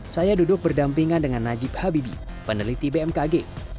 saya duduk berdampingan dengan najib habibi peneliti bmkg